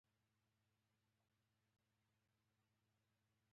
قومي مشرانو او جنرالانو پاڅونونه او جنګونه کول.